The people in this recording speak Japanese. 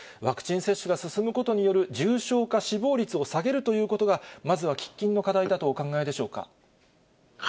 ワクチン接種が進むことによる、重症化、死亡率を下げるということが、まずは喫緊の課題だとお考えでしょうか。